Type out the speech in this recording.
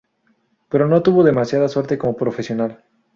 Pero no tuvo demasiada suerte como profesional.